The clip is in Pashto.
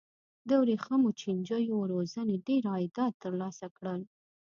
د ورېښمو چینجیو روزنې ډېر عایدات ترلاسه کړل.